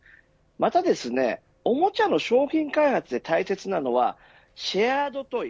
またおもちゃの商品開発で大切なのはシェアドトイ。